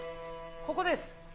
ここです。